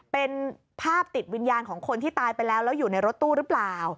เป็นภาพติดวิญญาณของคนที่ตายไปแล้วแล้วอยู่ในรถตู้หรือเปล่า